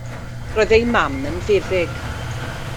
Roedd ei mam yn feddyg.